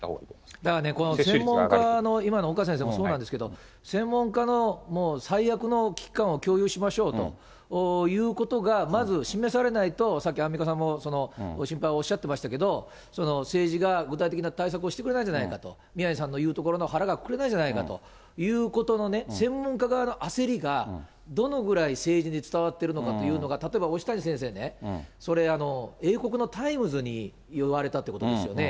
だからね、この専門家の、今の岡先生もそうなんですけれども、専門家の最悪の危機感を共有しましょうということがまず示されないと、さっきアンミカさんも心配をおっしゃってましたけれども、政治が具体的な対策をしてくれないじゃないかと、宮根さんの言うところの腹がくくれないじゃないかというところの専門家側の焦りが、どのぐらい政治に伝わっているのかというのが、例えば押谷先生ね、それ、英国のタイムズに言われたっていうことですよね。